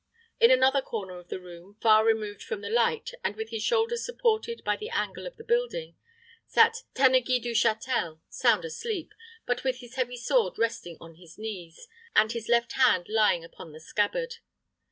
In another corner of the room, far removed from the light, and with his shoulders supported by the angle of the building, sat Tanneguy du Châtel, sound asleep, but with his heavy sword resting on his knees, and his left hand lying upon the scabbard.